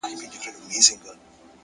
عاجزي د لویوالي ښکلی انعکاس دی’